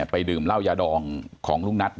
ไปดื่มเล่ายาดองของลูกนัท